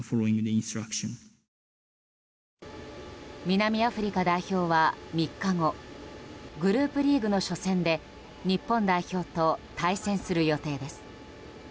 南アフリカ代表は３日後グループリーグの初戦で日本代表と対戦する予定です。